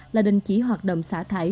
là đình chỉ hoạt động xã thải